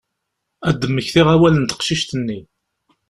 Ad d-mmektiɣ awal n teqcict-nni.